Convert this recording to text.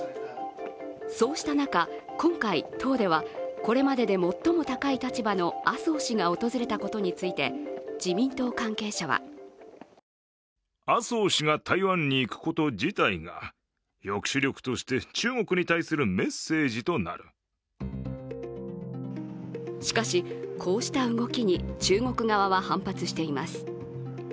そうした中、今回、党ではこれまでで最も高い立場の麻生氏が訪れたことについて自民党関係者はしかし、こうした動きに中国側は反発しています。